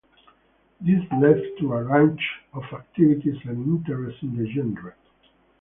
This led to a range of activities and interest in the genre.